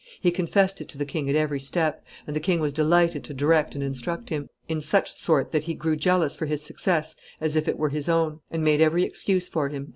He confessed it to the king at every step, and the king was delighted to direct and instruct him; in such sort that he grew jealous for his success as if it were his own, and made every excuse for him."